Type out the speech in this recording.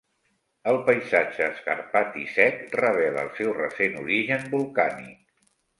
El paisatge escarpat i sec revela el seu recent origen volcànic.